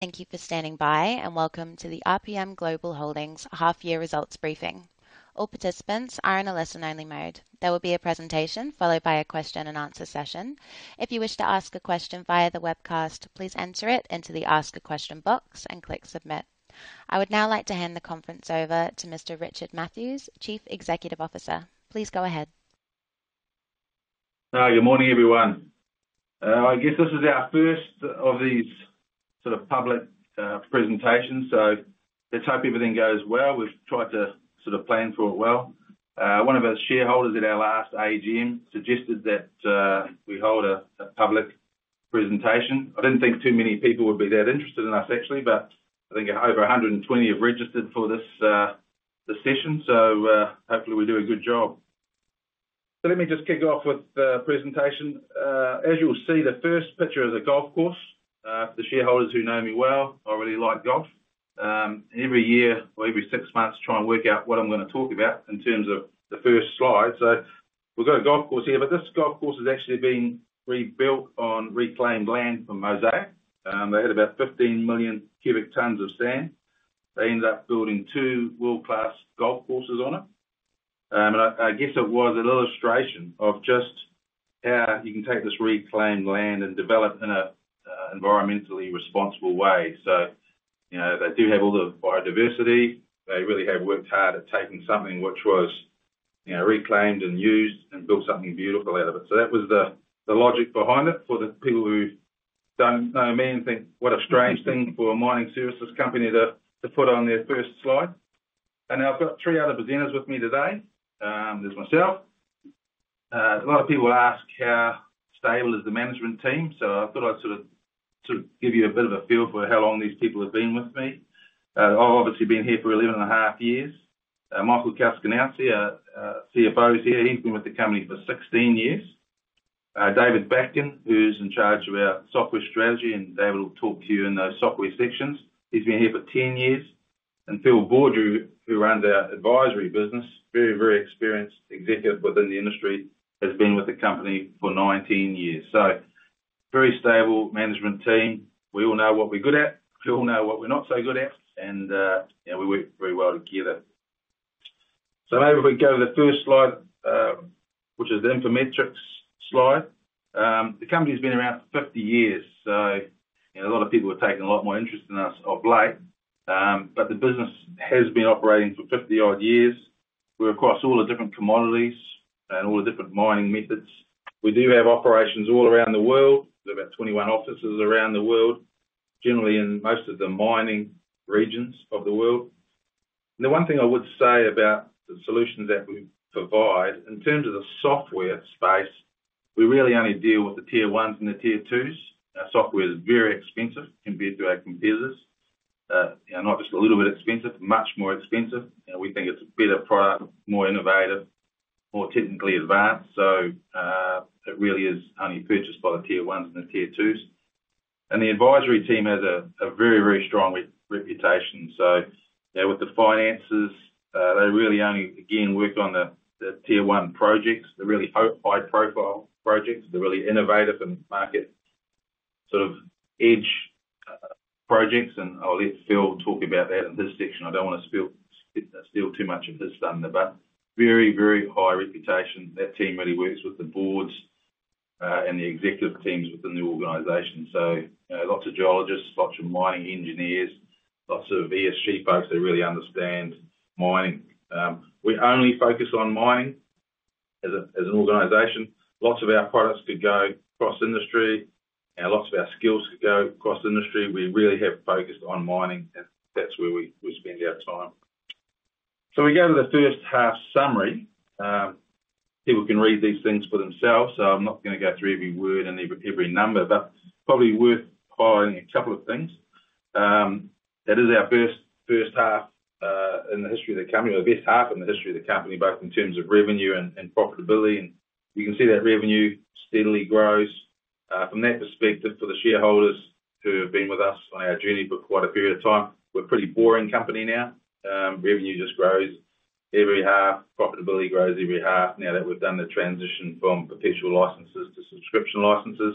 Thank you for standing by, and welcome to the RPMGlobal Holdings Half-Year Results Briefing. All participants are in a listen-only mode. There will be a presentation followed by a question-and-answer session. If you wish to ask a question via the webcast, please enter it into the Ask a Question box and click Submit. I would now like to hand the conference over to Mr. Richard Mathews, Chief Executive Officer. Please go ahead. Good morning, everyone. I guess this is our first of these sort of public presentations, so let's hope everything goes well. We've tried to sort of plan for it well. One of our shareholders at our last AGM suggested that we hold a public presentation. I didn't think too many people would be that interested in us, actually, but I think over 120 have registered for this session, so hopefully we do a good job. So let me just kick off with the presentation. As you'll see, the first picture is a golf course. For the shareholders who know me well, I really like golf. Every year or every six months try and work out what I'm going to talk about in terms of the first slide. So we've got a golf course here, but this golf course has actually been rebuilt on reclaimed land from Mosaic. They had about 15 million cubic tons of sand. They ended up building two world-class golf courses on it. And I guess it was an illustration of just how you can take this reclaimed land and develop in an environmentally responsible way. So, you know, they do have all the biodiversity. They really have worked hard at taking something which was, you know, reclaimed and used and built something beautiful out of it. So that was the logic behind it for the people who don't know me and think, "What a strange thing for a mining services company to put on their first slide." And now I've got three other presenters with me today. There's myself. A lot of people ask how stable is the management team, so I thought I'd sort of, sort of give you a bit of a feel for how long these people have been with me. I've obviously been here for 11.5 years. Michael Kochanowski, CFO, is here. He's been with the company for 16 years. David Bacon, who's in charge of our software strategy, and David will talk to you in those software sections. He's been here for 10 years. And Philippe Baudry, who runs our advisory business, very, very experienced executive within the industry, has been with the company for 19 years. So very stable management team. We all know what we're good at. We all know what we're not so good at. And, you know, we work very well together. So maybe if we go to the first slide, which is the infometrics slide. The company's been around for 50 years, so, you know, a lot of people have taken a lot more interest in us of late. But the business has been operating for 50-odd years. We're across all the different commodities and all the different mining methods. We do have operations all around the world. We've got about 21 offices around the world, generally in most of the mining regions of the world. And the one thing I would say about the solutions that we provide, in terms of the software space, we really only deal with the Tier Ones and the Tier Twos. Our software's very expensive compared to our competitors. You know, not just a little bit expensive, much more expensive. You know, we think it's a better product, more innovative, more technically advanced. So, it really is only purchased by the Tier Ones and the Tier Twos. And the advisory team has a very, very strong reputation. So, you know, with the finances, they really only, again, work on the Tier One projects, the really high-profile projects, the really innovative and market sort of edge projects. And I'll let Phil talk about that in his section. I don't want to spill too much of his thunder there, but very, very high reputation. That team really works with the boards, and the executive teams within the organization. So, you know, lots of geologists, lots of mining engineers, lots of ESG folks that really understand mining. We only focus on mining as an organization. Lots of our products could go cross-industry, and lots of our skills could go cross-industry. We really have focused on mining, and that's where we spend our time. So we go to the first half summary. People can read these things for themselves, so I'm not going to go through every word and every, every number, but probably worth highlighting a couple of things. It is our first, first half, in the history of the company or the best half in the history of the company, both in terms of revenue and, and profitability. You can see that revenue steadily grows. From that perspective, for the shareholders who have been with us on our journey for quite a period of time, we're a pretty boring company now. Revenue just grows every half. Profitability grows every half now that we've done the transition from perpetual licenses to subscription licenses.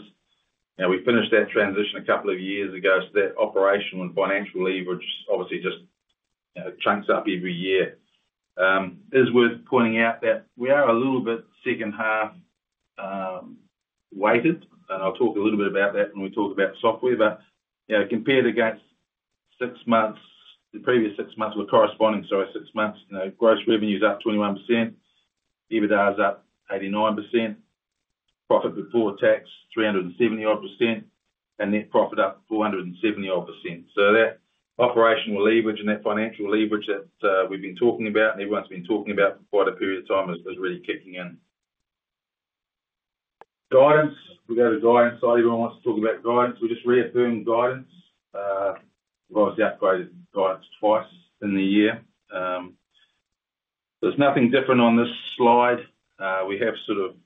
Now, we finished that transition a couple of years ago, so that operational and financial leverage obviously just, you know, chunks up every year. It is worth pointing out that we are a little bit second half, weighted. And I'll talk a little bit about that when we talk about software. But, you know, compared against six months, the previous six months were corresponding. So our six months, you know, gross revenue's up 21%. EBITDA's up 89%. Profit before tax 370-odd%. And net profit up 470-odd%. So that operational leverage and that financial leverage that, we've been talking about and everyone's been talking about for quite a period of time is, is really kicking in. Guidance. We go to guidance side. Everyone wants to talk about guidance. We just reaffirmed guidance. We've obviously upgraded guidance twice in the year. There's nothing different on this slide. We have sort of,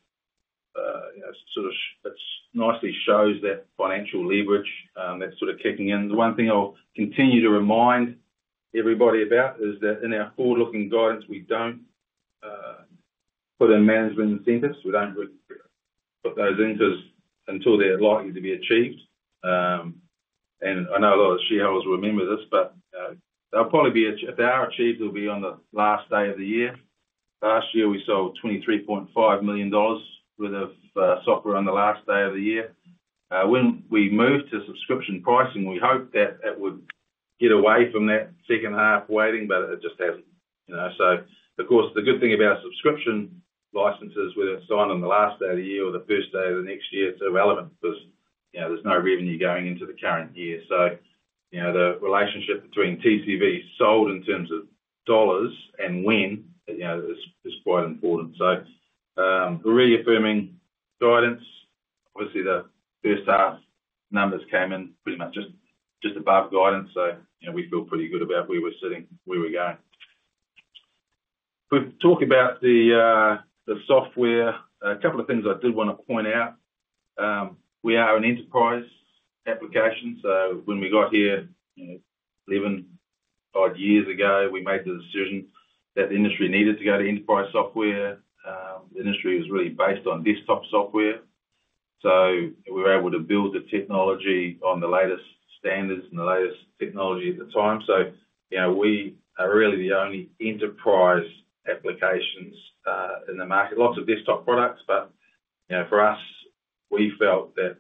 you know, sort of. It nicely shows that financial leverage, that's sort of kicking in. The one thing I'll continue to remind everybody about is that in our forward-looking guidance, we don't put in management incentives. We don't put those in because until they're likely to be achieved. And I know a lot of shareholders will remember this, but they'll probably be achieved if they are achieved, they'll be on the last day of the year. Last year, we sold $23.5 million worth of software on the last day of the year. When we moved to subscription pricing, we hoped that it would get away from that second half waiting, but it just hasn't, you know. So, of course, the good thing about subscription licenses, whether it's signed on the last day of the year or the first day of the next year, it's irrelevant because, you know, there's no revenue going into the current year. So, you know, the relationship between TCV sold in terms of dollars and when, you know, is, is quite important. So, we're reaffirming guidance. Obviously, the first half numbers came in pretty much just, just above guidance. So, you know, we feel pretty good about where we're sitting, where we're going. If we talk about the, the software, a couple of things I did want to point out. We are an enterprise application. So when we got here, you know, 11-odd years ago, we made the decision that the industry needed to go to enterprise software. The industry was really based on desktop software. So we were able to build the technology on the latest standards and the latest technology at the time. So, you know, we are really the only enterprise applications, in the market. Lots of desktop products, but, you know, for us, we felt that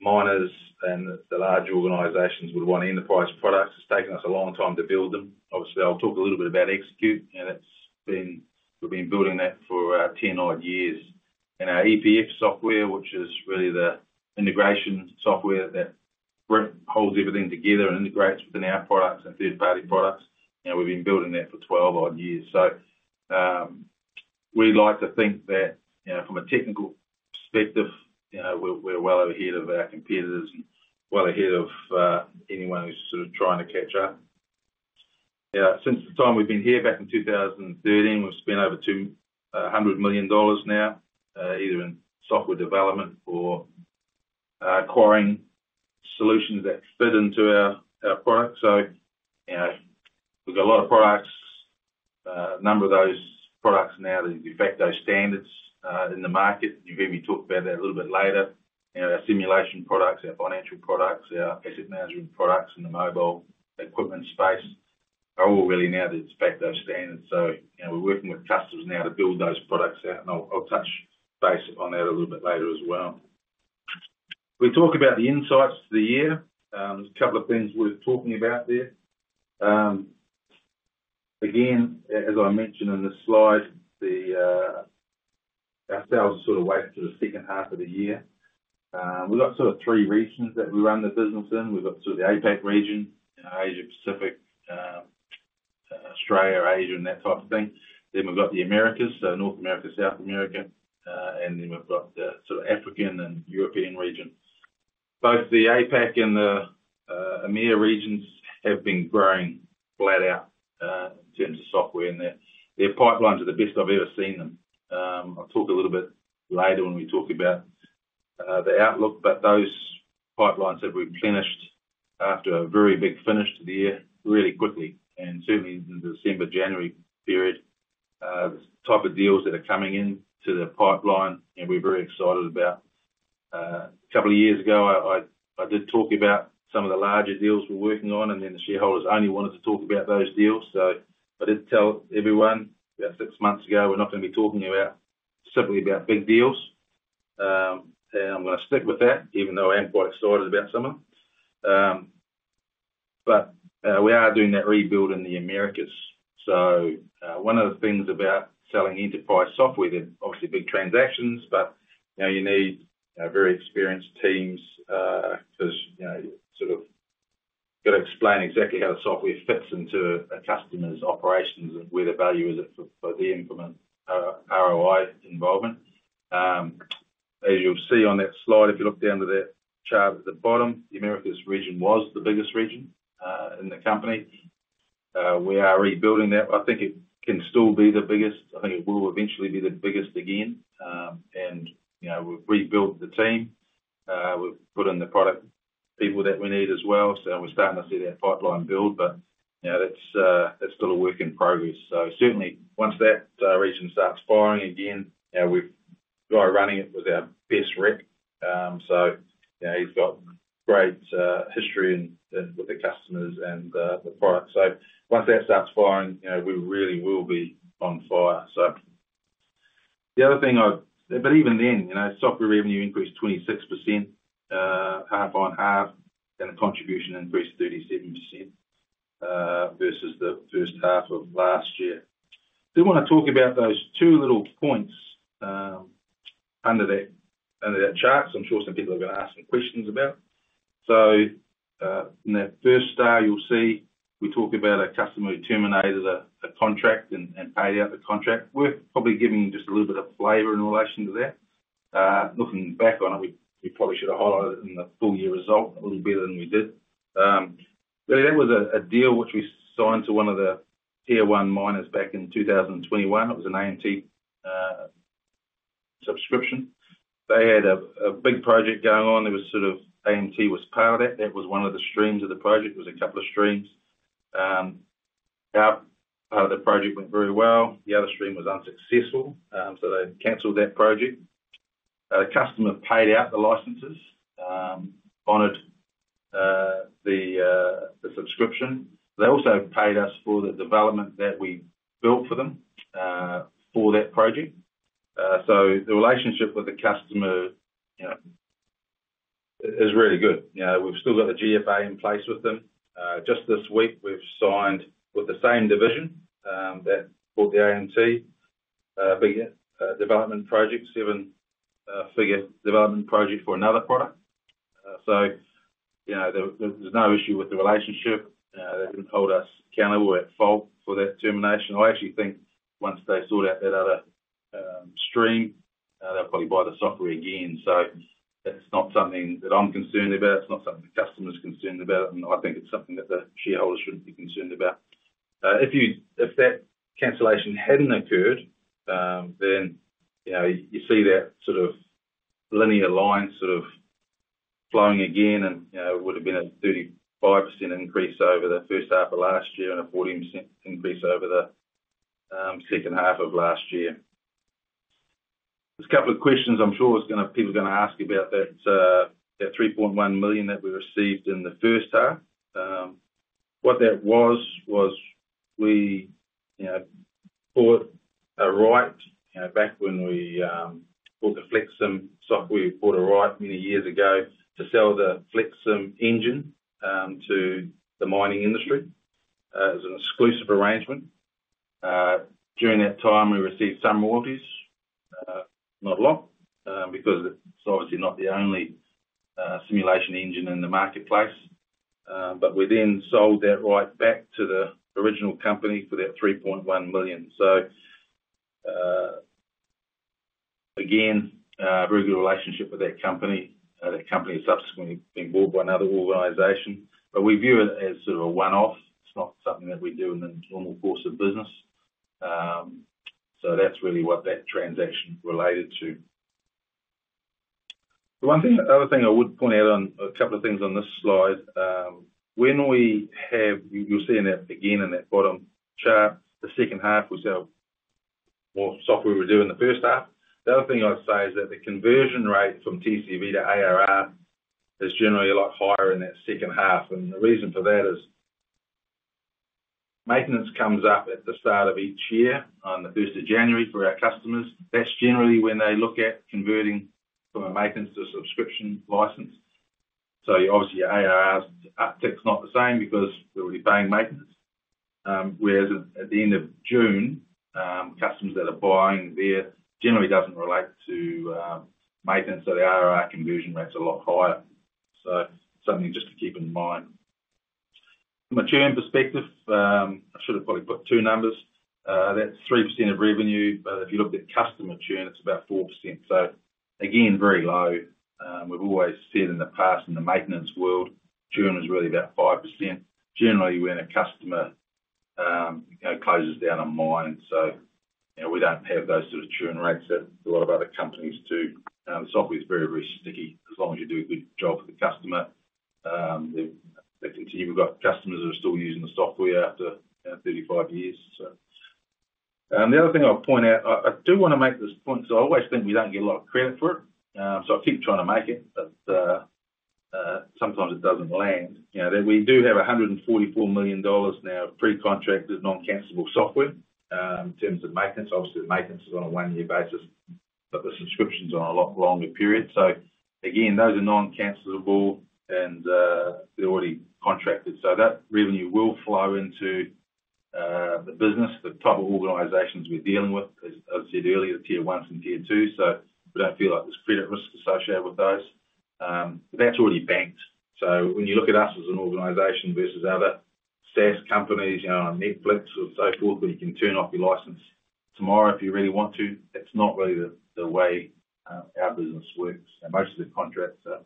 miners and the large organizations would want enterprise products. It's taken us a long time to build them. Obviously, I'll talk a little bit about XECUTE. You know, that's, we've been building that for 10-odd years. And our EPF software, which is really the integration software that brings everything together and integrates within our products and third-party products, you know, we've been building that for 12-odd years. So, we'd like to think that, you know, from a technical perspective, you know, we're well ahead of our competitors and well ahead of anyone who's sort of trying to catch up. You know, since the time we've been here, back in 2013, we've spent over 200 million dollars now, either in software development or acquiring solutions that fit into our products. So, you know, we've got a lot of products. A number of those products now that are de facto standards in the market. You'll hear me talk about that a little bit later. You know, our simulation products, our financial products, our asset management products, and the mobile equipment space are all really now that it's de facto standards. So, you know, we're working with customers now to build those products out. And I'll touch base on that a little bit later as well. If we talk about the insights to the year, there's a couple of things worth talking about there. Again, as I mentioned in this slide, we ourselves are sort of waiting for the second half of the year. We've got sort of three regions that we run the business in. We've got sort of the APAC region, you know, Asia-Pacific, Australia, Asia, and that type of thing. Then we've got the Americas, so North America, South America, and then we've got the sort of African and European region. Both the APAC and the EMEA regions have been growing flat out, in terms of software. And their pipelines are the best I've ever seen them. I'll talk a little bit later when we talk about the outlook. But those pipelines have replenished after a very big finish to the year really quickly, and certainly in the December, January period. The type of deals that are coming into the pipeline, you know, we're very excited about. A couple of years ago, I did talk about some of the larger deals we're working on, and then the shareholders only wanted to talk about those deals. So I did tell everyone about six months ago, "We're not going to be talking about simply about big deals." And I'm going to stick with that, even though I am quite excited about some of them. But we are doing that rebuild in the Americas. So one of the things about selling enterprise software that obviously big transactions, but you know, you need, you know, very experienced teams, because you know, you sort of got to explain exactly how the software fits into a customer's operations and where the value is at for the implement ROI involvement. As you'll see on that slide, if you look down to that chart at the bottom, the Americas region was the biggest region in the company. We are rebuilding that. I think it can still be the biggest. I think it will eventually be the biggest again. You know, we've rebuilt the team. We've put in the product people that we need as well. So we're starting to see that pipeline build. But, you know, that's, that's still a work in progress. So certainly, once that region starts firing again, you know, we've got a running it with our best rep. So, you know, he's got great history in with the customers and the product. So once that starts firing, you know, we really will be on fire. So the other thing I'd but even then, you know, software revenue increased 26%, half on half, and the contribution increased 37%, versus the first half of last year. I do want to talk about those two little points under that under that chart. So I'm sure some people are going to ask some questions about. So, in that first star, you'll see we talk about a customer who terminated a contract and paid out the contract. Worth probably giving just a little bit of flavor in relation to that. Looking back on it, we probably should have highlighted it in the full year result a little better than we did. Really, that was a deal which we signed to one of the Tier One miners back in 2021. It was an AMT subscription. They had a big project going on. There was sort of AMT was part of that. That was one of the streams of the project. There was a couple of streams. Our part of the project went very well. The other stream was unsuccessful. So they canceled that project. The customer paid out the licenses, honored the subscription. They also paid us for the development that we built for them, for that project. So the relationship with the customer, you know, is really good. You know, we've still got the GFA in place with them. Just this week, we've signed with the same division that bought the AMT bigger development project, seven-figure development project for another product. So, you know, there's no issue with the relationship. You know, they didn't hold us accountable at fault for that termination. I actually think once they sort out that other stream, they'll probably buy the software again. So it's not something that I'm concerned about. It's not something the customer's concerned about. And I think it's something that the shareholders shouldn't be concerned about. If that cancellation hadn't occurred, then, you know, you see that sort of linear line sort of flowing again. You know, it would have been a 35% increase over the first half of last year and a 40% increase over the second half of last year. There's a couple of questions. I'm sure people are going to ask about that 3.1 million that we received in the first half. What that was was we, you know, bought a right, you know, back when we bought the FlexSim software. We bought a right many years ago to sell the FlexSim engine to the mining industry as an exclusive arrangement. During that time, we received some royalties, not a lot, because it's obviously not the only simulation engine in the marketplace. But we then sold that right back to the original company for that 3.1 million. So, again, very good relationship with that company. That company has subsequently been bought by another organization. But we view it as sort of a one-off. It's not something that we do in the normal course of business. So that's really what that transaction related to. The one thing the other thing I would point out on a couple of things on this slide, when we have you'll see in that again in that bottom chart, the second half was how more software we were doing the first half. The other thing I'd say is that the conversion rate from TCV to ARR is generally a lot higher in that second half. And the reason for that is maintenance comes up at the start of each year on the 1st of January for our customers. That's generally when they look at converting from a maintenance to a subscription license. So obviously, your ARR's uptick's not the same because they're already paying maintenance. Whereas at the end of June, customers that are buying there generally doesn't relate to maintenance. So the ARR conversion rate's a lot higher. So something just to keep in mind. From a churn perspective, I should have probably put two numbers. That's 3% of revenue. But if you looked at customer churn, it's about 4%. So again, very low. We've always said in the past in the maintenance world, churn was really about 5%. Generally, when a customer, you know, closes down a mine, so, you know, we don't have those sort of churn rates at a lot of other companies too. The software's very, very sticky. As long as you do a good job for the customer, they're, they continue. We've got customers that are still using the software after, you know, 35 years, so. The other thing I'll point out, I, I do want to make this point because I always think we don't get a lot of credit for it. So I keep trying to make it. But, sometimes it doesn't land. You know, that we do have $144 million now of pre-contracted non-cancellable software, in terms of maintenance. Obviously, the maintenance is on a one-year basis, but the subscription's on a lot longer period. So again, those are non-cancellable, and, they're already contracted. So that revenue will flow into, the business, the type of organizations we're dealing with. As I said earlier, Tier Ones and Tier Two. So we don't feel like there's credit risk associated with those. But that's already banked. So when you look at us as an organization versus other SaaS companies, you know, on Netflix and so forth, where you can turn off your license tomorrow if you really want to, that's not really the, the way, our business works. You know, most of the contracts are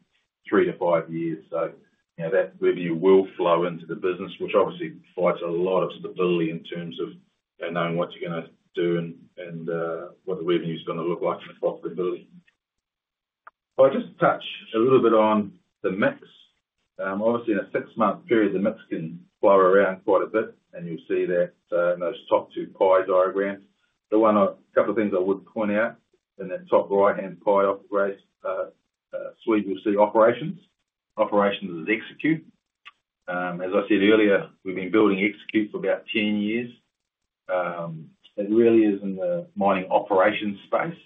three to five years. So, you know, that revenue will flow into the business, which obviously provides a lot of stability in terms of, you know, knowing what you're going to do and, and, what the revenue's going to look like and profitability. If I just touch a little bit on the mix, obviously, in a six-month period, the mix can flow around quite a bit. And you'll see that, in those top two pie diagrams. A couple of things I would point out in that top right-hand pie, operations suite, you'll see operations. Operations is XECUTE. As I said earlier, we've been building XECUTE for about 10 years. It really is in the mining operations space.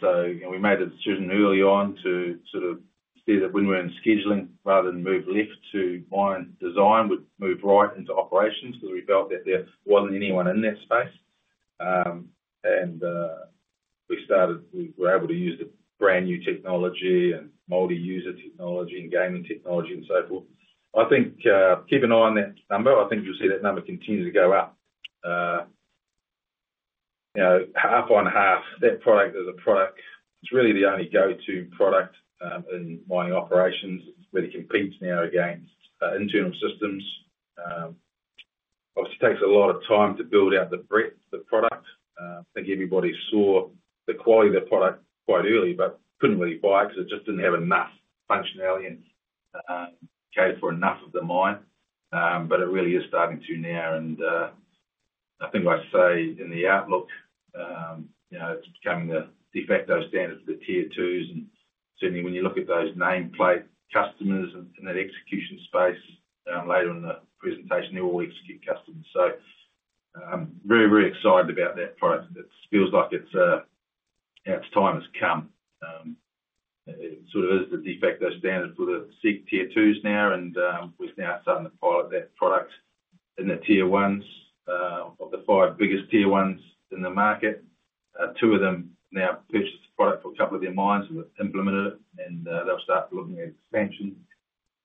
So, you know, we made a decision early on to sort of see that when we're in scheduling, rather than move left to mine design, we'd move right into operations because we felt that there wasn't anyone in that space. And, we started we were able to use the brand new technology and multi-user technology and gaming technology and so forth. I think, keep an eye on that number. I think you'll see that number continue to go up. You know, half on half, that product is a product it's really the only go-to product, in mining operations. It really competes now against, internal systems. Obviously, it takes a lot of time to build out the breadth of the product. I think everybody saw the quality of the product quite early but couldn't really buy it because it just didn't have enough functionality and cater for enough of the mine. It really is starting to now. I think I say in the outlook, you know, it's becoming the de facto standard for the Tier Twos. Certainly, when you look at those nameplate customers in that execution space, later in the presentation, they're all XECUTE customers. Very, very excited about that product. It feels like it's, you know, its time has come. It sort of is the de facto standard for the SIG Tier Twos now. We're now starting to pilot that product in the Tier Ones. Of the five biggest Tier Ones in the market, two of them now purchased the product for a couple of their mines and implemented it. They'll start looking at expansion.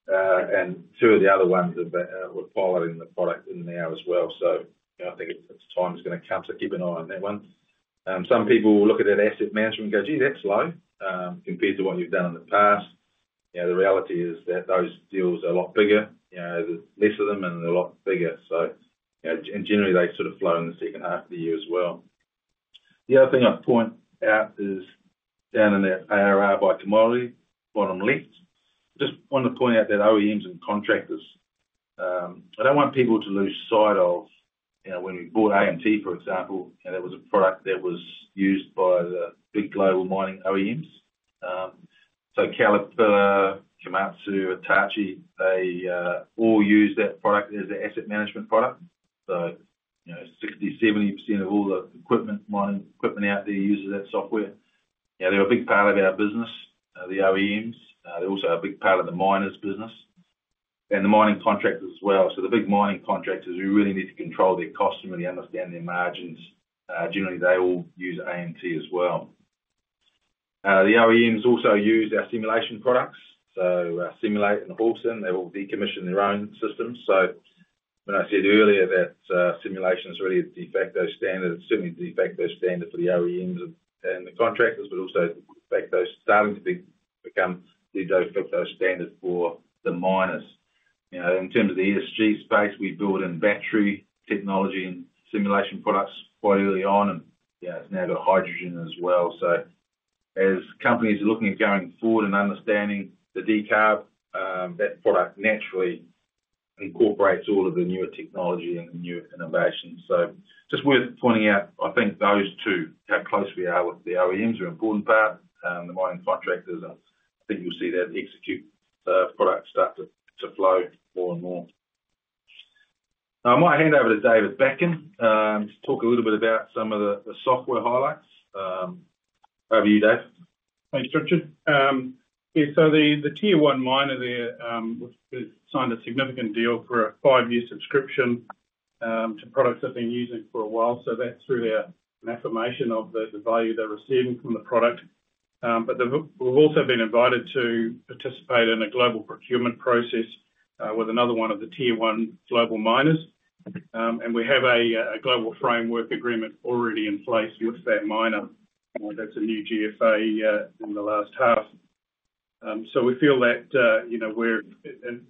And two of the other ones have, were piloting the product in there as well. So, you know, I think it's time's going to come. So keep an eye on that one. Some people will look at that asset management and go, "Gee, that's low," compared to what you've done in the past. You know, the reality is that those deals are a lot bigger. You know, there's less of them, and they're a lot bigger. So, you know, and generally, they sort of flow in the second half of the year as well. The other thing I'd point out is down in that ARR by commodity, bottom left, just wanted to point out that OEMs and contractors, I don't want people to lose sight of, you know, when we bought AMT, for example, you know, that was a product that was used by the big global mining OEMs. So, Caterpillar, Komatsu, Hitachi, they all use that product as their asset management product. So, you know, 60%-70% of all the mining equipment out there uses that software. You know, they're a big part of our business, the OEMs. They're also a big part of the miners' business and the mining contractors as well. So the big mining contractors, we really need to control their costs and really understand their margins. Generally, they all use AMT as well. The OEMs also use our simulation products. So, SIMULATE and HAULSIM, they all decommission their own systems. So when I said earlier that, simulation's really a de facto standard, it's certainly a de facto standard for the OEMs and, and the contractors, but also de facto starting to become de facto standard for the miners. You know, in terms of the ESG space, we built in battery technology and simulation products quite early on. And, you know, it's now got hydrogen as well. So as companies are looking at going forward and understanding the decarb, that product naturally incorporates all of the newer technology and the newer innovations. So just worth pointing out, I think those two, how close we are with the OEMs, are an important part. The mining contractors, and I think you'll see that XECUTE product start to, to flow more and more. Now, I might hand over to David Bacon, to talk a little bit about some of the software highlights. Over to you, Dave. Thanks, Richard. Yeah, so the Tier One miner there, we've signed a significant deal for a five-year subscription to products they've been using for a while. So that's through their affirmation of the value they're receiving from the product. But we've also been invited to participate in a global procurement process with another one of the Tier One global miners. And we have a global framework agreement already in place with that miner. You know, that's a new GFA in the last half. So we feel that, you know, we're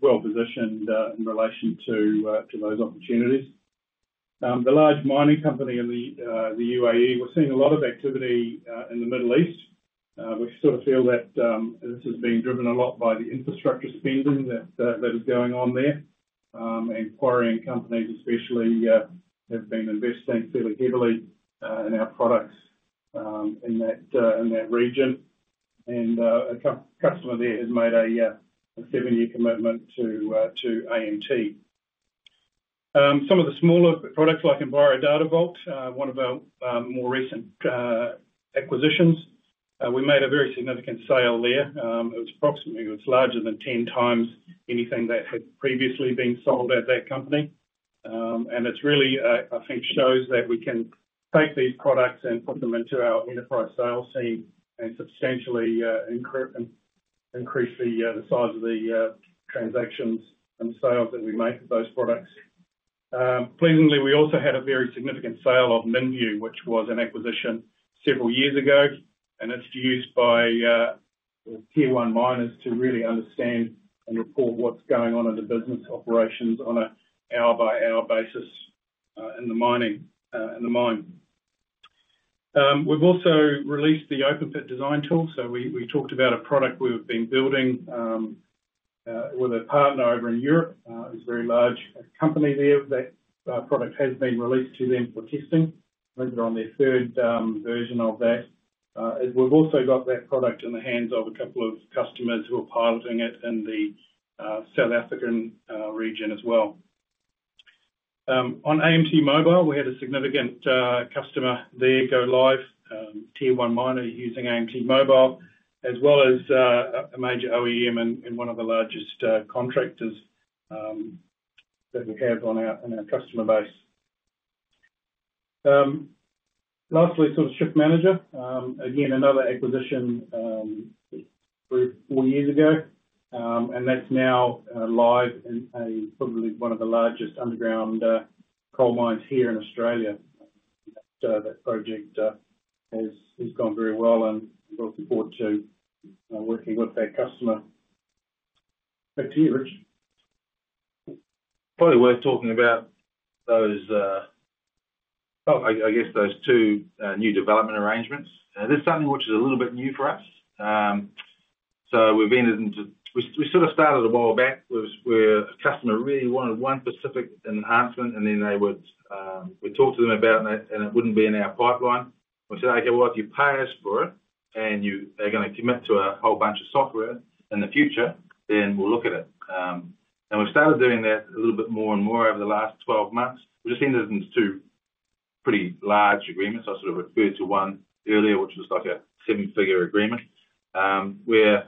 well-positioned in relation to those opportunities. The large mining company in the UAE, we're seeing a lot of activity in the Middle East. We sort of feel that this has been driven a lot by the infrastructure spending that is going on there. Quarrying companies, especially, have been investing fairly heavily in our products in that region. A customer there has made a seven-year commitment to AMT. Some of the smaller products like EnviroDataVault, one of our more recent acquisitions, we made a very significant sale there. It was approximately 10 times larger than anything that had previously been sold at that company. And it's really, I think, shows that we can take these products and put them into our enterprise sales team and substantially increase the size of the transactions and sales that we make of those products. Pleasantly, we also had a very significant sale of MinVu, which was an acquisition several years ago. It's used by the Tier One miners to really understand and report what's going on in the business operations on an hour-by-hour basis, in the mining, in the mine. We've also released the Open Pit Design Tool. We talked about a product we were building with a partner over in Europe. It's a very large company there. That product has been released to them for testing. I think they're on their third version of that. We've also got that product in the hands of a couple of customers who are piloting it in the South African region as well. On AMT Mobile, we had a significant customer there go live, Tier One miner using AMT Mobile, as well as a major OEM and one of the largest contractors that we have in our customer base. Lastly, sort of ShiftManager. Again, another acquisition, three or four years ago. And that's now live in probably one of the largest underground coal mines here in Australia. That project has gone very well and brought support to working with that customer. Back to you, Richard. Probably worth talking about those, I guess those two new development arrangements. There's something which is a little bit new for us. So we've entered into—we sort of started a while back. We're a customer really wanted one specific enhancement, and then they would, we talked to them about it, and it wouldn't be in our pipeline. We said, "Okay. Well, if you pay us for it and you are going to commit to a whole bunch of software in the future, then we'll look at it." We've started doing that a little bit more and more over the last 12 months. We just entered into two pretty large agreements. I sort of referred to one earlier, which was like a seven-figure agreement, where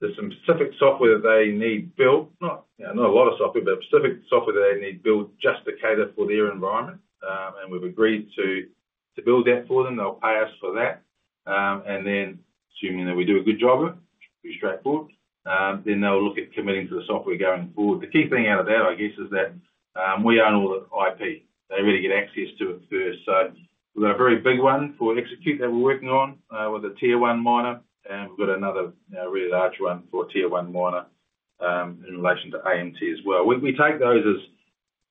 there's some specific software that they need built, not, you know, not a lot of software, but specific software that they need built just to cater for their environment. We've agreed to build that for them. They'll pay us for that. Then assuming, you know, we do a good job of it, pretty straightforward, then they'll look at committing to the software going forward. The key thing out of that, I guess, is that we own all the IP. They really get access to it first. So we've got a very big one for XECUTE that we're working on, with a Tier One Miner. And we've got another, you know, really large one for a Tier One Miner, in relation to AMT as well. We, we take those as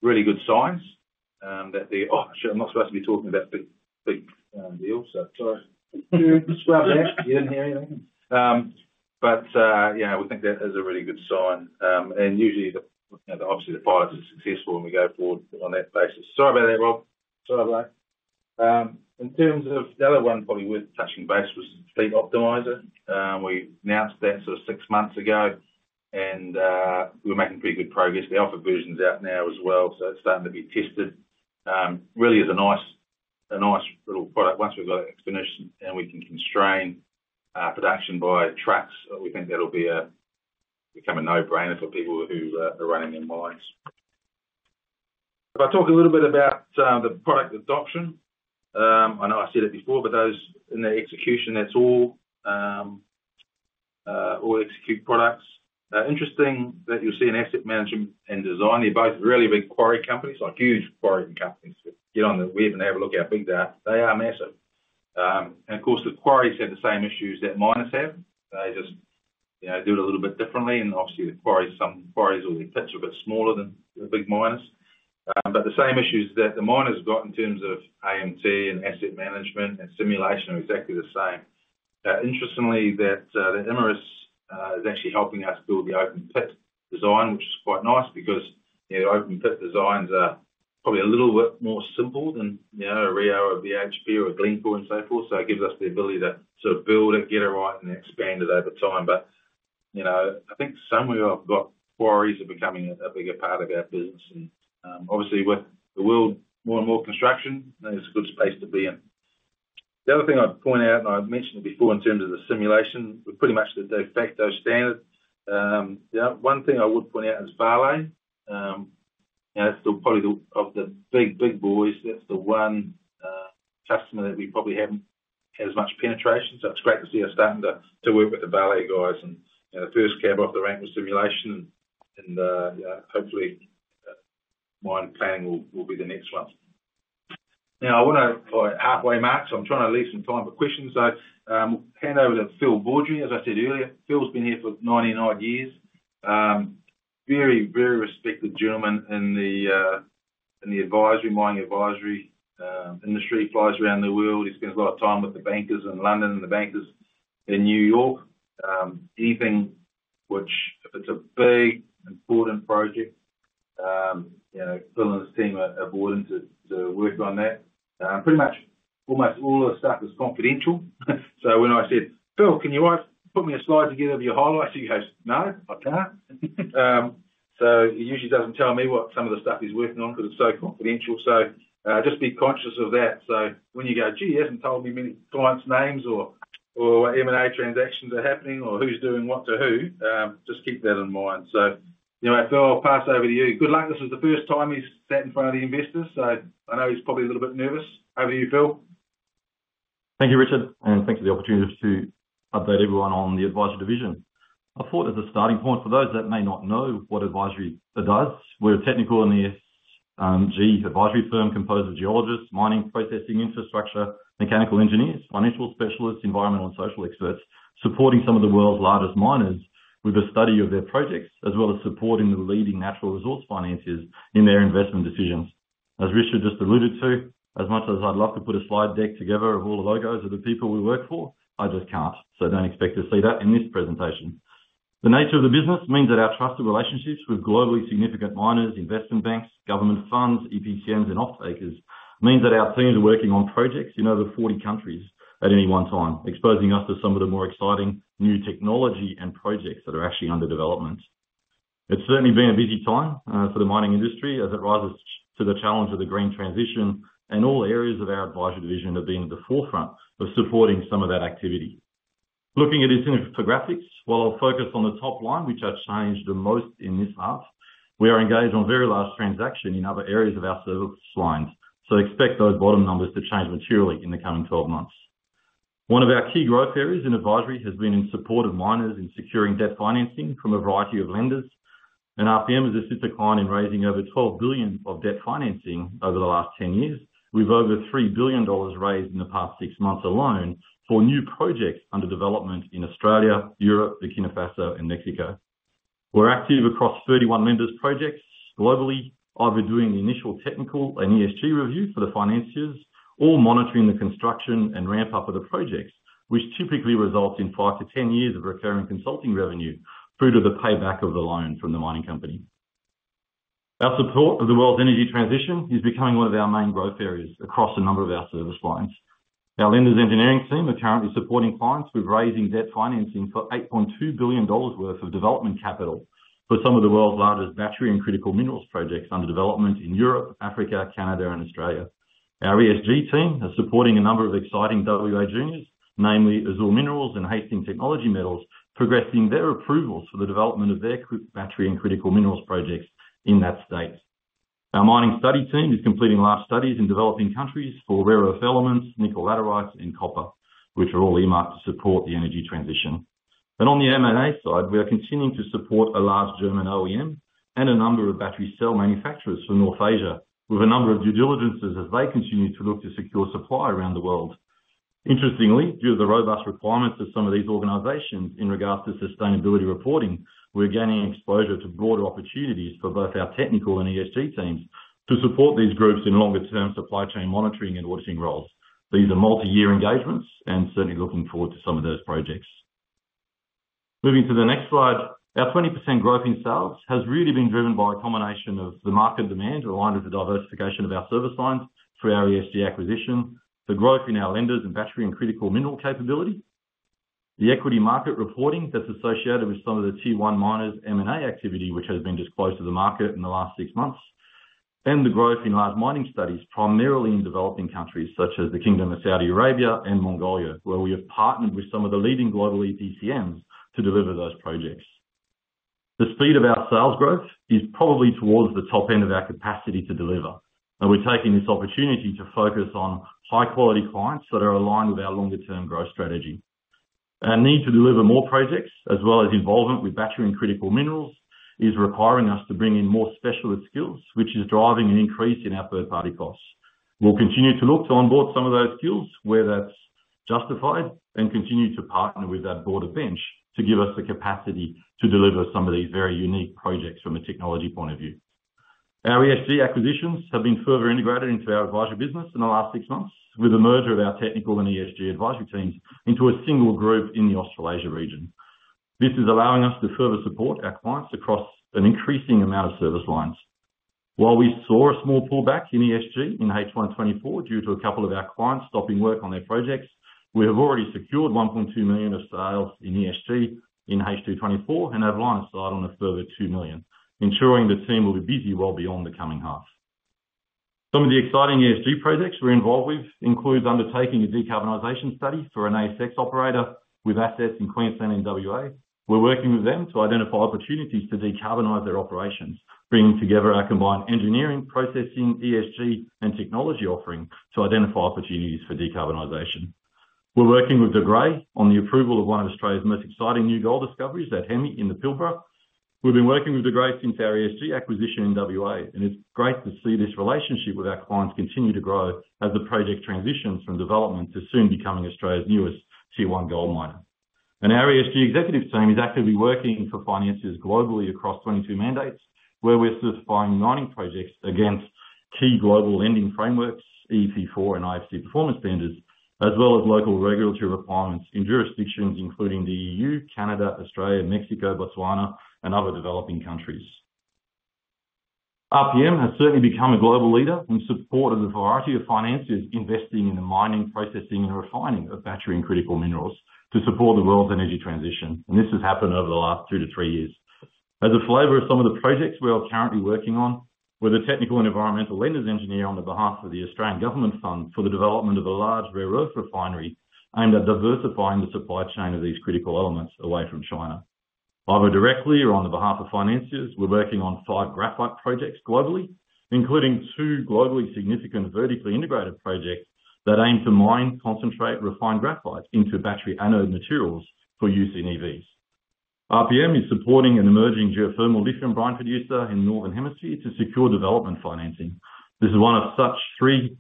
really good signs, that the oh, shit. I'm not supposed to be talking about big, big, deals. Sorry. Just grabbed that. You didn't hear anything. But, yeah, we think that is a really good sign. And usually, the you know, obviously, the pilot's successful, and we go forward on that basis. Sorry about that, Rob. Sorry about that. In terms of the other one probably worth touching base was Fleet Optimizer. We announced that sort of six months ago. And, we're making pretty good progress. The alpha version's out now as well. So it's starting to be tested. Really, it's a nice little product. Once we've got it finished and we can constrain production by trucks, we think that'll become a no-brainer for people who are running their mines. If I talk a little bit about the product adoption, I know I said it before, but those in their execution, that's all XECUTE products. Interesting that you'll see in asset management and design, they're both really big quarry companies, like huge quarrying companies. Get on the web and have a look at our big data. They are massive. And of course, the quarries have the same issues that miners have. They just, you know, do it a little bit differently. And obviously, the quarries, some quarries or their pits are a bit smaller than the big miners. But the same issues that the miners got in terms of AMT and asset management and simulation are exactly the same. Interestingly, that Imerys is actually helping us build the open pit design, which is quite nice because, you know, the open pit designs are probably a little bit more simple than, you know, a Rio or a BHP or a Glencore and so forth. So it gives us the ability to sort of build it, get it right, and expand it over time. But, you know, I think somewhere, I've got quarries are becoming a bigger part of our business. And, obviously, with the world more and more construction, there's a good space to be in. The other thing I'd point out, and I mentioned it before in terms of the simulation, we're pretty much the de facto standard. You know, one thing I would point out is Vale. You know, it's still probably one of the big, big boys, that's the one customer that we probably haven't had as much penetration. So it's great to see us starting to work with the Vale guys. And, you know, the first cab off the rank was simulation. And you know, hopefully, mine planning will be the next one. Now, I want to – oh, halfway mark, so I'm trying to leave some time for questions. So, hand over to Phil Baudry. As I said earlier, Phil's been here for 99 years. Very, very respected gentleman in the, in the advisory mining advisory industry, flies around the world. He spends a lot of time with the bankers in London and the bankers in New York. Anything which, if it's a big, important project, you know, Phil and his team are on board to work on that. Pretty much almost all of the stuff is confidential. So when I said, "Phil, can you put together a slide of your highlights?" he goes, "No, I can't." So he usually doesn't tell me what some of the stuff he's working on because it's so confidential. So, just be conscious of that. So when you go, "Gee, he hasn't told me many clients' names or, or what M&A transactions are happening or who's doing what to who," just keep that in mind. So, you know, Phil, I'll pass over to you. Good luck. This is the first time he's sat in front of the investors. So I know he's probably a little bit nervous. Over to you, Phil. Thank you, Richard. Thanks for the opportunity to update everyone on the advisory division. I thought as a starting point for those that may not know what advisory it does, we're a technical and ESG advisory firm composed of geologists, mining processing infrastructure, mechanical engineers, financial specialists, environmental and social experts supporting some of the world's largest miners with a study of their projects, as well as supporting the leading natural resource financiers in their investment decisions. As Richard just alluded to, as much as I'd love to put a slide deck together of all the logos of the people we work for, I just can't. Don't expect to see that in this presentation. The nature of the business means that our trusted relationships with globally significant miners, investment banks, government funds, EPCMs, and off-takers means that our teams are working on projects, you know, over 40 countries at any one time, exposing us to some of the more exciting new technology and projects that are actually under development. It's certainly been a busy time for the mining industry as it rises to the challenge of the green transition. All areas of our advisory division have been at the forefront of supporting some of that activity. Looking at its infographics, while I'll focus on the top line, which has changed the most in this half, we are engaged on very large transactions in other areas of our service lines. So expect those bottom numbers to change materially in the coming 12 months. One of our key growth areas in advisory has been in support of miners in securing debt financing from a variety of lenders. RPM has assisted the client in raising over $12 billion of debt financing over the last 10 years. We've over $3 billion raised in the past six months alone for new projects under development in Australia, Europe, Burkina Faso, and Mexico. We're active across 31 lenders' projects globally, either doing the initial technical and ESG review for the financiers or monitoring the construction and ramp-up of the projects, which typically results in five-10 years of recurring consulting revenue through to the payback of the loan from the mining company. Our support of the world's energy transition is becoming one of our main growth areas across a number of our service lines. Our lenders' engineering team are currently supporting clients with raising debt financing for $8.2 billion worth of development capital for some of the world's largest battery and critical minerals projects under development in Europe, Africa, Canada, and Australia. Our ESG team are supporting a number of exciting WA juniors, namely Azure Minerals and Hastings Technology Metals, progressing their approvals for the development of their battery and critical minerals projects in that state. Our mining study team is completing large studies in developing countries for rare earth elements, nickel laterites, and copper, which are all earmarked to support the energy transition. On the M&A side, we are continuing to support a large German OEM and a number of battery cell manufacturers for North Asia with a number of due diligences as they continue to look to secure supply around the world. Interestingly, due to the robust requirements of some of these organizations in regards to sustainability reporting, we're gaining exposure to broader opportunities for both our technical and ESG teams to support these groups in longer-term supply chain monitoring and auditing roles. These are multi-year engagements and certainly looking forward to some of those projects. Moving to the next slide, our 20% growth in sales has really been driven by a combination of the market demand aligned with the diversification of our service lines through our ESG acquisition, the growth in our lenders in battery and critical mineral capability, the equity market reporting that's associated with some of the T1 miners' M&A activity, which has been disclosed to the market in the last six months, and the growth in large mining studies, primarily in developing countries such as the Kingdom of Saudi Arabia and Mongolia, where we have partnered with some of the leading global EPCMs to deliver those projects. The speed of our sales growth is probably towards the top end of our capacity to deliver. We're taking this opportunity to focus on high-quality clients that are aligned with our longer-term growth strategy. Our need to deliver more projects, as well as involvement with battery and critical minerals, is requiring us to bring in more specialist skills, which is driving an increase in our third-party costs. We'll continue to look to onboard some of those skills where that's justified and continue to partner with that broader bench to give us the capacity to deliver some of these very unique projects from a technology point of view. Our ESG acquisitions have been further integrated into our advisory business in the last six months with the merger of our technical and ESG advisory teams into a single group in the Australasia region. This is allowing us to further support our clients across an increasing amount of service lines. While we saw a small pullback in ESG in H124 due to a couple of our clients stopping work on their projects, we have already secured 1.2 million of sales in ESG in H224 and have lined aside on a further 2 million, ensuring the team will be busy well beyond the coming half. Some of the exciting ESG projects we're involved with include undertaking a decarbonization study for an ASX operator with assets in Queensland and WA. We're working with them to identify opportunities to decarbonize their operations, bringing together our combined engineering, processing, ESG, and technology offering to identify opportunities for decarbonization. We're working with De Grey on the approval of one of Australia's most exciting new gold discoveries at Hemi in the Pilbara. We've been working with De Grey since our ESG acquisition in WA. It's great to see this relationship with our clients continue to grow as the project transitions from development to soon becoming Australia's newest T1 gold miner. Our ESG executive team is actively working for financiers globally across 22 mandates, where we're certifying mining projects against key global lending frameworks, EP4 and IFC performance standards, as well as local regulatory requirements in jurisdictions including the EU, Canada, Australia, Mexico, Botswana, and other developing countries. RPM has certainly become a global leader in support of the variety of financiers investing in the mining, processing, and refining of battery and critical minerals to support the world's energy transition. This has happened over the last two-to-three years. As a flavor of some of the projects we are currently working on, we're the technical and environmental lender's engineer on behalf of the Australian Government Fund for the development of a large rare earth refinery aimed at diversifying the supply chain of these critical elements away from China. Either directly or on behalf of financiers, we're working on five graphite projects globally, including two globally significant vertically integrated projects that aim to mine, concentrate, refine graphite into battery anode materials for use in EVs. RPM is supporting an emerging geothermal lithium brine producer in the Northern Hemisphere to secure development financing. This is one of such three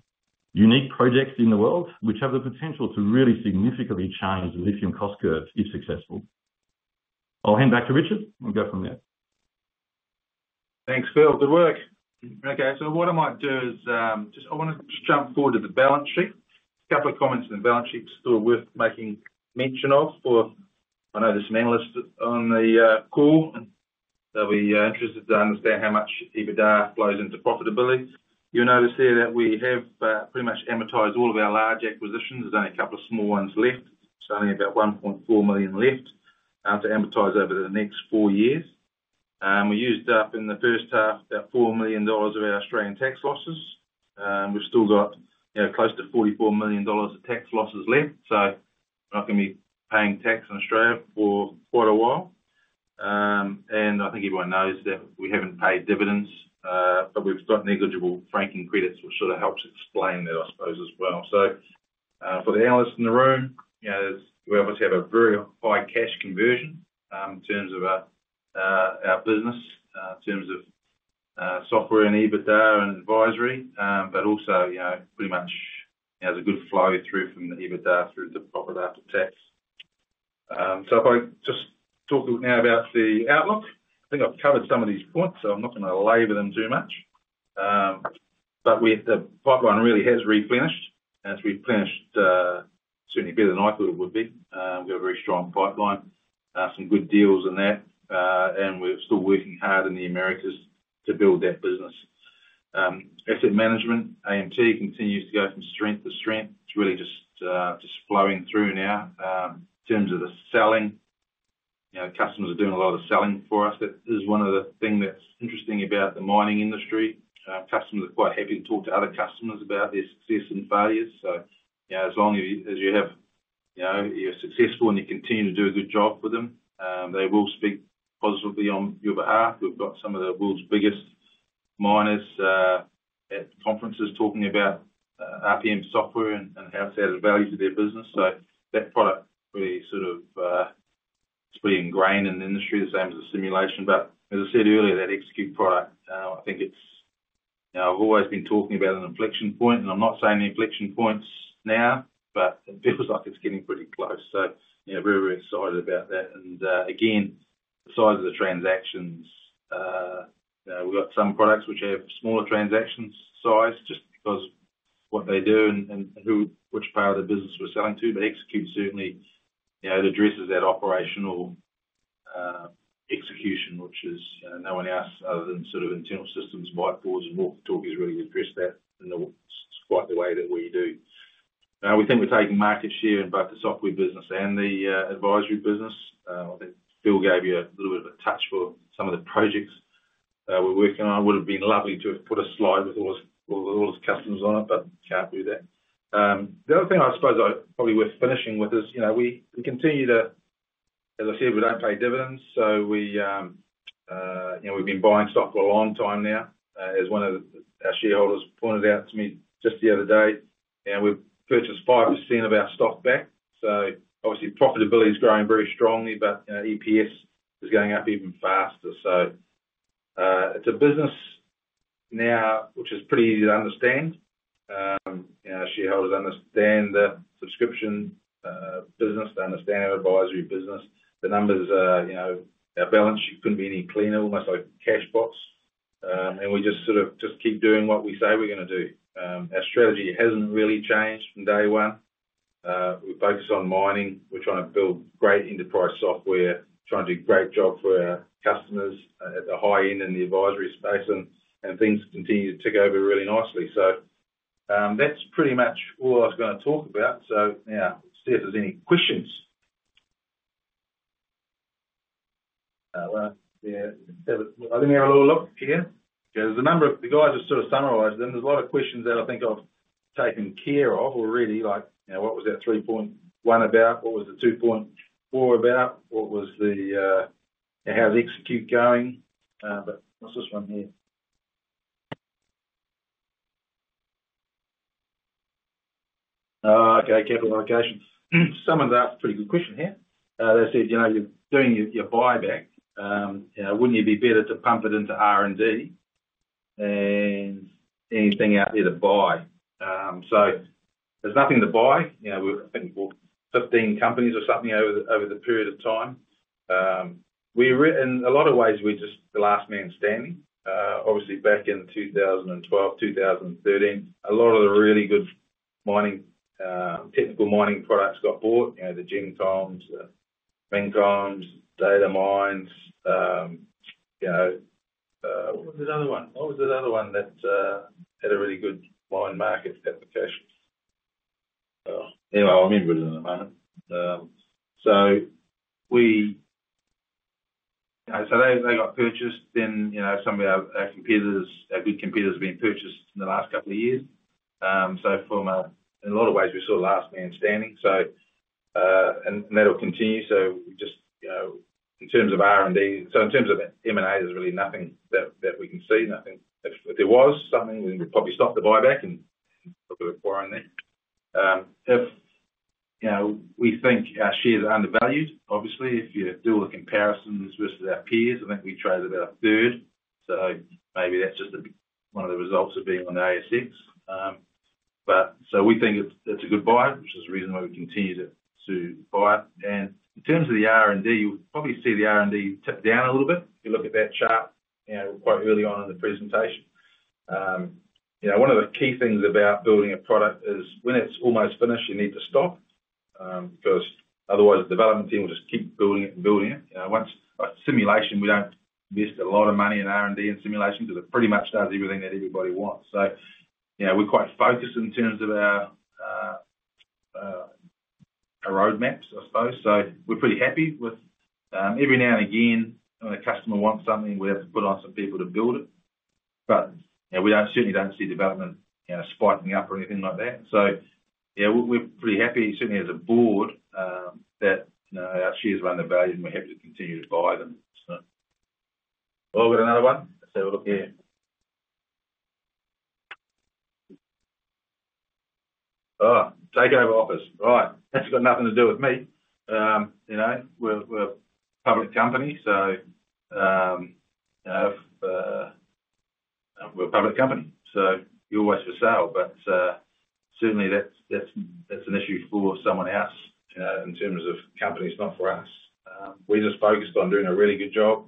unique projects in the world which have the potential to really significantly change the lithium cost curve if successful. I'll hand back to Richard and go from there. Thanks, Phil. Good work. Okay. So what I might do is, just I want to just jump forward to the balance sheet. A couple of comments on the balance sheet still worth making mention of for I know there's some analysts on the call and they'll be interested to understand how much EBITDA flows into profitability. You'll notice here that we have pretty much amortized all of our large acquisitions. There's only a couple of small ones left. There's only about 1.4 million left to amortize over the next four years. We used up in the first half about 4 million dollars of our Australian tax losses. We've still got, you know, close to 44 million dollars of tax losses left. So we're not going to be paying tax in Australia for quite a while. I think everyone knows that we haven't paid dividends, but we've got negligible franking credits, which sort of helps explain that, I suppose, as well. So, for the analysts in the room, you know, we obviously have a very high cash conversion, in terms of our business, in terms of software and EBITDA and advisory, but also, you know, pretty much, you know, there's a good flow through from the EBITDA through to profit after tax. So if I just talk now about the outlook, I think I've covered some of these points, so I'm not going to labor them too much. But the pipeline really has replenished. And it's replenished, certainly better than I thought it would be. We've got a very strong pipeline, some good deals in that, and we're still working hard in the Americas to build that business. Asset management, AMT continues to go from strength to strength. It's really just, just flowing through now, in terms of the selling. You know, customers are doing a lot of the selling for us. That is one of the thing that's interesting about the mining industry. Customers are quite happy to talk to other customers about their success and failures. So, you know, as long as you as you have, you know, you're successful and you continue to do a good job for them, they will speak positively on your behalf. We've got some of the world's biggest miners, at conferences talking about, RPM software and, and how it's added value to their business. So that product really sort of, it's pretty ingrained in the industry, the same as the simulation. But as I said earlier, that XECUTE product, I think it's, you know, I've always been talking about an inflection point. And I'm not saying the inflection point is now, but it feels like it's getting pretty close. So, you know, very, very excited about that. And, again, the size of the transactions, you know, we've got some products which have smaller transaction size just because of what they do and which part of the business we're selling to. But XECUTE certainly, you know, it addresses that operational execution, which is, you know, no one else other than sort of internal systems, whiteboards, and walkie-talkies really addresses that in quite the way that we do. We think we're taking market share in both the software business and the advisory business. I think Phil gave you a little bit of a touch for some of the projects we're working on. It would have been lovely to have put a slide with all his all his customers on it, but can't do that. The other thing I suppose I probably worth finishing with is, you know, we continue to as I said, we don't pay dividends. So we, you know, we've been buying stock for a long time now, as one of our shareholders pointed out to me just the other day. You know, we've purchased 5% of our stock back. So obviously, profitability's growing very strongly, but, you know, EPS is going up even faster. So, it's a business now which is pretty easy to understand. You know, shareholders understand the subscription business. They understand our advisory business. The numbers, you know, our balance sheet couldn't be any cleaner, almost like a cash box. We just sort of just keep doing what we say we're going to do. Our strategy hasn't really changed from day one. We focus on mining. We're trying to build great enterprise software, trying to do a great job for our customers at the high end in the advisory space. Things continue to tick over really nicely. That's pretty much all I was going to talk about. Now, Steph, if there's any questions. Well, yeah. Let me have a little look here. Okay. There's a number of the guys have sort of summarized them. There's a lot of questions that I think I've taken care of already, like, you know, what was that 3.1 about? What was the 2.4 about? What was the, you know, how's XECUTE going? But what's this one here? Oh, okay. Capital allocation. Sums up a pretty good question here. They said, you know, you're doing your, your buyback. You know, wouldn't it be better to pump it into R&D and anything out there to buy? So there's nothing to buy. You know, we're, I think we bought 15 companies or something over the period of time. We're in a lot of ways, we're just the last man standing. Obviously, back in 2012, 2013, a lot of the really good mining, technical mining products got bought, you know, the Gemcoms, the Mincoms, Datamines, you know. What was the other one? What was the other one that had a really good MineMarket application? Oh. Anyway, I'll remember it in a moment. So we, you know, so they, they got purchased. Then, you know, some of our competitors, our good competitors have been purchased in the last couple of years. So from in a lot of ways, we're still the last man standing. So that'll continue. So we just, you know, in terms of R&D, so in terms of M&A, there's really nothing that we can see. Nothing. If there was something, we'd probably stop the buyback and put a bit of coin there. If, you know, we think our shares are undervalued, obviously, if you do all the comparisons versus our peers, I think we trade about a third. So maybe that's just one of the results of being on the ASX. But so we think it's a good buy, which is the reason why we continue to buy it. In terms of the R&D, you'll probably see the R&D tip down a little bit if you look at that chart, you know, quite early on in the presentation. You know, one of the key things about building a product is when it's almost finished, you need to stop, because otherwise, the development team will just keep building it and building it. You know, once a simulation, we don't invest a lot of money in R&D and simulation because it pretty much does everything that everybody wants. So, you know, we're quite focused in terms of our roadmaps, I suppose. So we're pretty happy with, every now and again, when a customer wants something, we have to put on some people to build it. But, you know, we certainly don't see development, you know, spiking up or anything like that. So, yeah, we're, we're pretty happy, certainly as a board, that, you know, our shares are undervalued and we're happy to continue to buy them. Oh, we've got another one. Let's have a look here. Oh. Takeover offer. Right. That's got nothing to do with me. You know, we're, we're a public company, so, you know, if we're a public company, so you're always for sale. But, certainly, that's, that's, that's an issue for someone else, you know, in terms of companies, not for us. We're just focused on doing a really good job,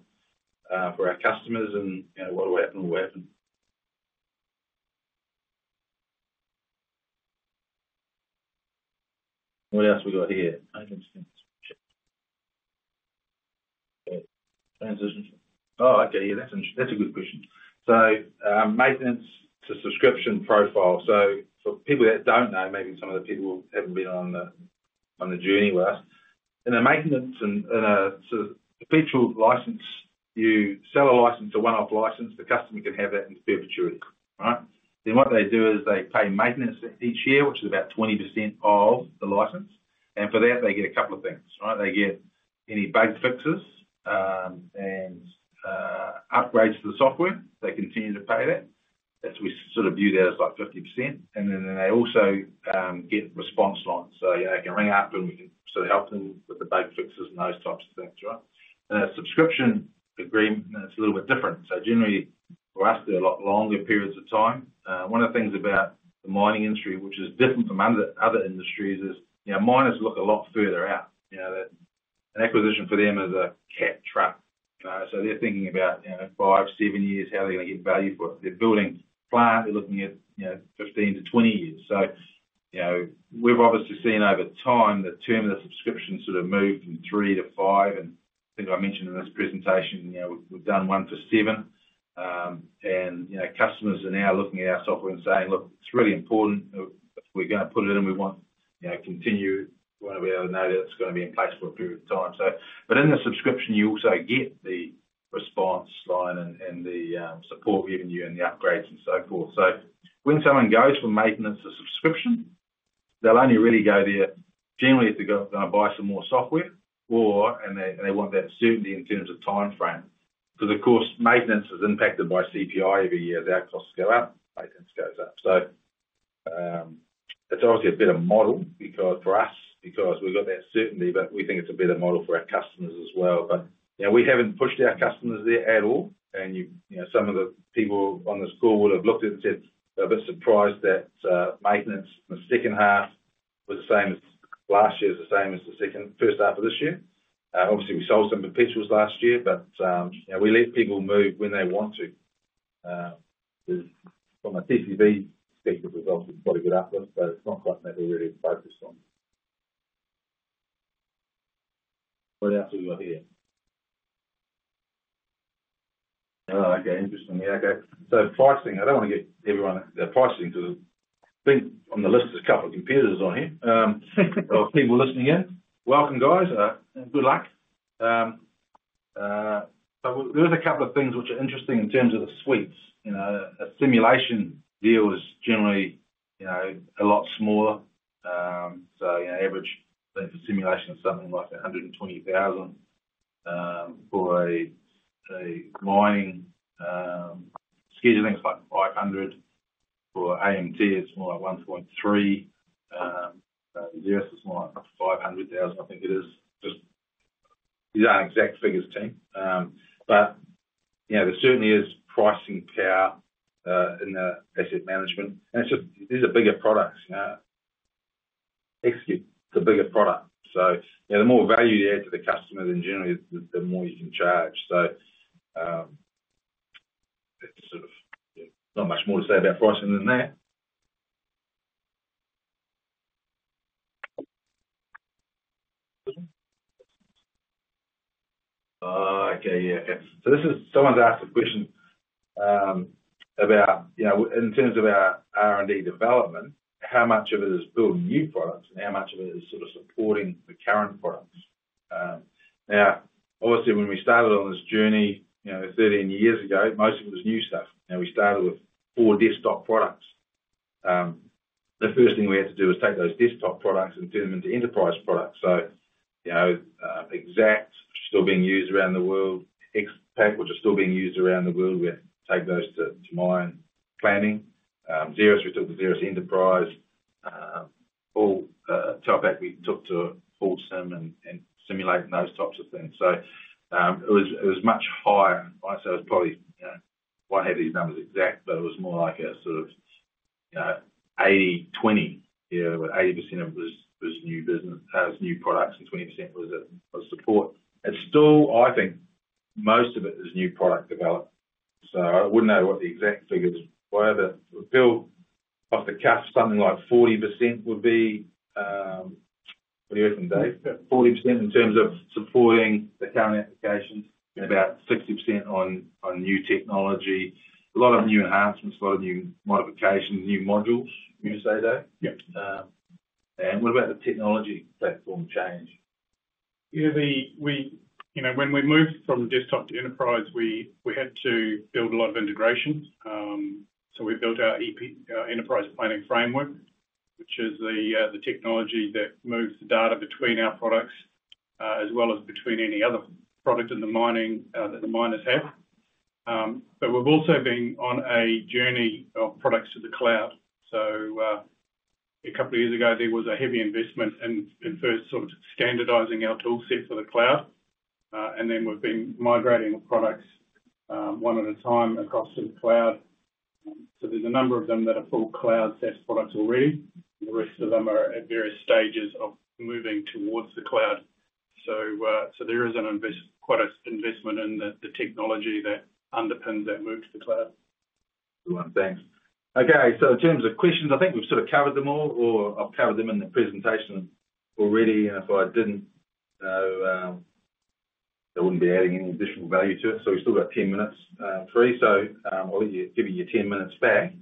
for our customers and, you know, what'll happen, what'll happen. What else have we got here? Maintenance. Transition. Oh, okay. Yeah. That's a good question. So, maintenance to subscription profile. So for people that don't know, maybe some of the people haven't been on the on the journey with us. In the maintenance and a sort of perpetual license, you sell a license, a one-off license, the customer can have that in perpetuity. All right? Then what they do is they pay maintenance each year, which is about 20% of the license. And for that, they get a couple of things, right? They get any bug fixes and upgrades to the software. They continue to pay that. That's we sort of view that as like 50%. And then they also get response lines. So, you know, they can ring up and we can sort of help them with the bug fixes and those types of things, right? And a subscription agreement, it's a little bit different. So generally, for us, they're a lot longer periods of time. One of the things about the mining industry, which is different from other, other industries, is, you know, miners look a lot further out. You know, that an acquisition for them is a cash trap. You know, so they're thinking about, you know, five-seven years, how they're going to get value for it. They're building a plant. They're looking at, you know, 15-20 years. So, you know, we've obviously seen over time the term of the subscription sort of move from three-five. And I think I mentioned in this presentation, you know, we've done one for seven. And, you know, customers are now looking at our software and saying, "Look, it's really important. If we're going to put it in, we want, you know, continue. We want to be able to know that it's going to be in place for a period of time." So, but in the subscription, you also get the response line and the support we're giving you and the upgrades and so forth. So when someone goes from maintenance to subscription, they'll only really go there generally if they're going to buy some more software or they want that certainty in terms of timeframe. Because, of course, maintenance is impacted by CPI every year. As our costs go up, maintenance goes up. So, it's obviously a better model for us because we've got that certainty, but we think it's a better model for our customers as well. But, you know, we haven't pushed our customers there at all. You, you know, some of the people on this call would have looked at it and said, they're a bit surprised that maintenance in the second half was the same as last year, the same as the second first half of this year. Obviously, we sold some perpetuals last year, but, you know, we let people move when they want to. From a TCV perspective, we've obviously got a good outlook, but it's not quite something we're really focused on. What else have we got here? Oh, okay. Interesting. Yeah. Okay. So pricing. I don't want to get everyone the pricing because I think on the list, there's a couple of competitors on here, of people listening in. Welcome, guys. Good luck. So there's a couple of things which are interesting in terms of the suites. You know, a simulation deal is generally, you know, a lot smaller. So, you know, average thing for simulation is something like 120,000. For a mining scheduling, it's like 500. For AMT, it's more like 1.3. XERAS is more like 500,000, I think it is. Just these aren't exact figures, Tim. But, you know, there certainly is pricing power in the asset management. And it's just these are bigger products, you know. XECUTE, it's a bigger product. So, you know, the more value you add to the customer, then generally, the more you can charge. So, it's sort of, you know, not much more to say about pricing than that. Oh, okay. Yeah. Okay. So this is someone's asked a question, about, you know, in terms of our R&D development, how much of it is building new products and how much of it is sort of supporting the current products. Now, obviously, when we started on this journey, you know, 13 years ago, most of it was new stuff. You know, we started with four desktop products. The first thing we had to do was take those desktop products and turn them into enterprise products. So, you know, XACT still being used around the world. XPAC, which are still being used around the world, we take those to, to mine planning. XERAS, we took to XERAS Enterprise. All, TALPAC, we took to HAULSIM and, and SIMULATE and those types of things. So, it was it was much higher. I'd say it was probably, you know, I won't have these numbers exact, but it was more like a sort of, you know, 80/20, you know, where 80% of it was, was new business, was new products, and 20% was, was support. It's still, I think, most of it is new product development. So I wouldn't know what the exact figures were, but off the cuff, something like 40% would be, what do you reckon, Dave? 40% in terms of supporting the current applications and about 60% on new technology. A lot of new enhancements, a lot of new modifications, new modules, would you say, Dave? Yeah. And what about the technology platform change? Yeah. Then we, you know, when we moved from desktop to enterprise, we had to build a lot of integration. So we built our EPF, our Enterprise Planning Framework, which is the technology that moves the data between our products, as well as between any other product in the mining that the miners have. But we've also been on a journey of products to the cloud. So, a couple of years ago, there was a heavy investment in first sort of standardizing our toolset for the cloud. And then we've been migrating the products, one at a time across to the cloud. So there's a number of them that are full cloud SaaS products already. The rest of them are at various stages of moving towards the cloud. So there is quite an investment in the technology that underpins that move to the cloud. Good one. Thanks. Okay. So in terms of questions, I think we've sort of covered them all, or I've covered them in the presentation already. And if I didn't, though, I wouldn't be adding any additional value to it. So we've still got 10 minutes free. So, I'll let you give your 10 minutes back.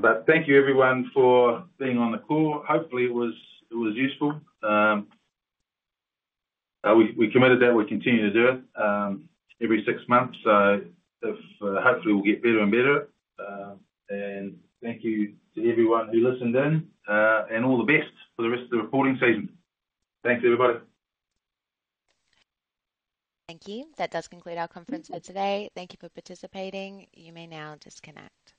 But thank you, everyone, for being on the call. Hopefully, it was useful. We committed that we'd continue to do it every six months. So, hopefully, we'll get better and better at it. And thank you to everyone who listened in, and all the best for the rest of the reporting season. Thanks, everybody. Thank you. That does conclude our conference for today. Thank you for participating. You may now disconnect.